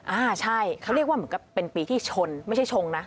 อ่าใช่เขาเรียกว่าเหมือนกับเป็นปีที่ชนไม่ใช่ชงนะ